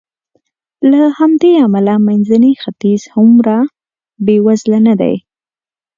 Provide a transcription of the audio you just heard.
له همدې امله منځنی ختیځ هومره بېوزله نه دی.